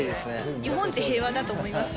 日本って平和だと思いますか？